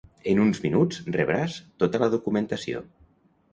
En uns minuts rebràs tota la documentació.